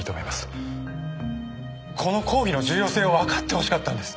この講義の重要性をわかってほしかったんです。